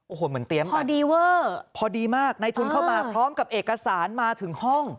โอ้โหเหมือนเตรียมพอดีเวอร์พอดีมากในทุนเข้ามาพร้อมกับเอกสารมาถึงห้อง